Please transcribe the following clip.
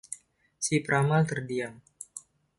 Si peramal terdiam.